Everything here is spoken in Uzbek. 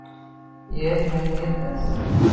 iye nimaga zerikasiz.